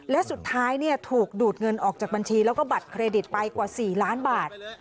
และสุดท้ายถูกดูดเงินออกจากบัญชีแล้วก็บัตรเครดิตไปกว่า๔ล้านบาท